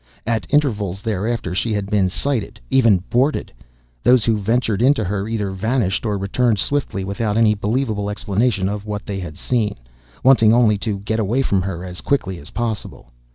At intervals thereafter she had been sighted, even boarded. Those who ventured into her either vanished or returned swiftly without any believable explanation of what they had seen wanting only to get away from her as quickly as possible.